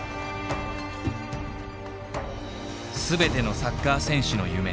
全てのサッカー選手の夢